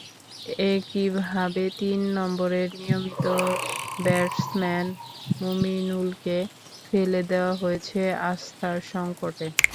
একইভাবে তিন নম্বরের নিয়মিত ব্যাটসম্যান মুমিনুলকেও ফেলে দেওয়া হয়েছে আস্থার সংকটে।